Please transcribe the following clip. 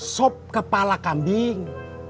sop kepala kambing